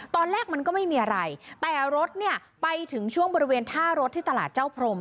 ตอนแรกมันก็ไม่มีอะไรแต่รถเนี่ยไปถึงช่วงบริเวณท่ารถที่ตลาดเจ้าพรม